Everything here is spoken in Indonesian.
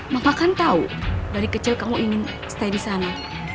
maka kan tahu dari kecil kamu ingin stay di sana